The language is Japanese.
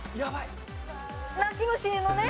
泣き虫のね。